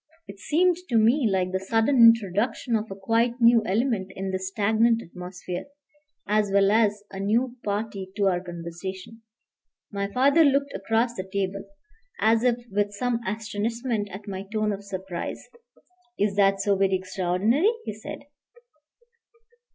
It seemed to me like the sudden introduction of a quite new element in the stagnant atmosphere, as well as a new party to our conversation. My father looked across the table, as if with some astonishment at my tone of surprise. "Is that so very extraordinary?" he said.